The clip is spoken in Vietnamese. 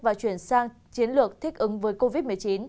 và chuyển sang chiến lược thích ứng với covid một mươi chín